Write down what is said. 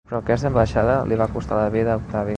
Però aquesta ambaixada li va costar la vida a Octavi.